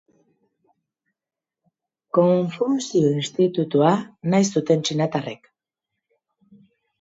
Konfuzio institutua nahi zuten txinatarrek.